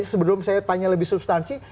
sebelum saya tanya lebih substansi